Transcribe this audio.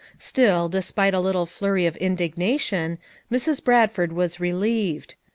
Still, despite a little flurry of indignation, Mrs. Bradford was relieved.